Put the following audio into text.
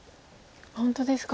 あっ本当ですか。